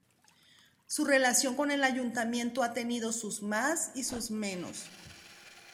Su relación con el ayuntamiento ha tenido sus más y sus menos.